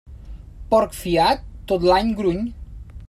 Porc fiat, tot l'any gruny.